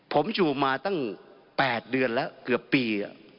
ผมอยู่มาตั้ง๘เดือนแล้วเกือบปี